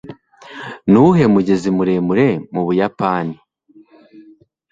nuwuhe mugezi muremure mu buyapani